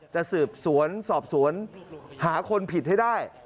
จะสืบสวนสอบสวนหาคนผิดให้ได้